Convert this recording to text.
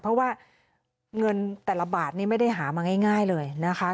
เพราะว่าเงินแต่ละบาทนี่ไม่ได้หามาง่ายเลยนะคะ